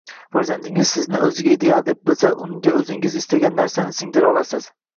Farzandingiz sizni o‘ziga ideal deb bilsa, unga o‘zingiz istagan narsani singdira olasiz.